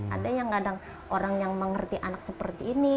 ada yang kadang orang yang mengerti anak seperti ini